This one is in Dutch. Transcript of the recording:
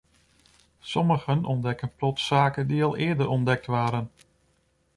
Sommigen ontdekken plots zaken die al eerder ontdekt waren.